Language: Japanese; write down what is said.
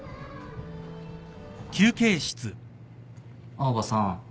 青羽さん。